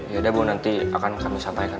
yaudah bu nanti akan kami sampaikan